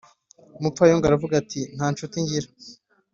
Umupfayongo aravuga ati «Nta ncuti ngira,